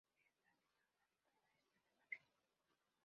Está situado al noreste de Berlín.